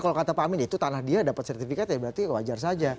kalau kata pak amin itu tanah dia dapat sertifikat ya berarti wajar saja